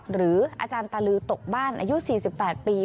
หรืออาจารย์ตะลือตกบ้านอายุ๔๘ปี